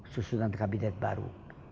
susunan kabinet baru